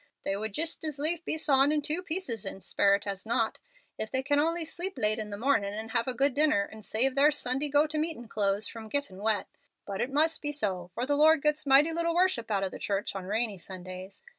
They would jist as lief be sawn in two pieces 'in sperit' as not, if they can only sleep late in the mornin' and have a good dinner and save their Sunday go to meetin' clothes from gettin' wet. It must be so, for the Lord gets mighty little worship out of the church on rainy Sundays.